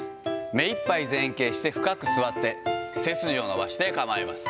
目いっぱい前傾して深く座って、背筋を伸ばして構えます。